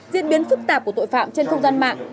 diễn biến phức tạp của tội phạm trên không gian mạng